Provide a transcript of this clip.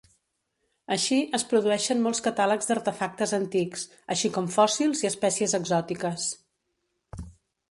Així, es produeixen molts catàlegs d'artefactes antics, així com fòssils i espècies exòtiques.